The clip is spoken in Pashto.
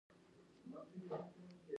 کش چي ما کولې شواې